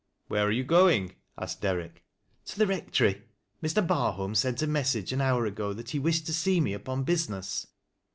" Where are you going ?" asked Derrick. "To the Rectory. Mr. Barholm sent a message an hour ago, that he wished to see me upon business."